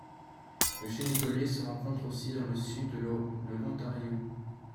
Le chêne étoilé se rencontre aussi dans le Sud de l'Ontario.